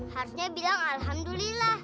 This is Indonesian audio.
harusnya bilang alhamdulillah